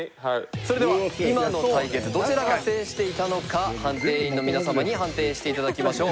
それでは今の対決どちらが制していたのか判定員の皆様に判定して頂きましょう。